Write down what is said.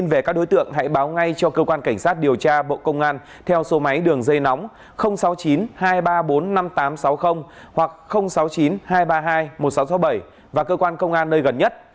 về các đối tượng hãy báo ngay cho cơ quan cảnh sát điều tra bộ công an theo số máy đường dây nóng sáu mươi chín hai trăm ba mươi bốn năm nghìn tám trăm sáu mươi hoặc sáu mươi chín hai trăm ba mươi hai một nghìn sáu trăm sáu mươi bảy và cơ quan công an nơi gần nhất